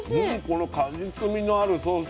この果実みのあるソース。